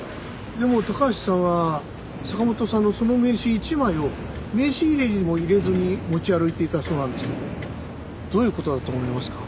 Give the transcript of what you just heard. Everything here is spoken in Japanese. でも高橋さんは坂本さんのその名刺一枚を名刺入れにも入れずに持ち歩いていたそうなんですけどどういう事だと思いますか？